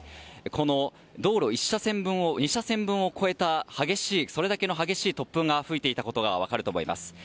この道路の２車線分を越えたそれだけの激しい突風が吹いていたことが分かると思います。